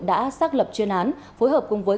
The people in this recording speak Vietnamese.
đã xác lập chuyên án phối hợp cùng với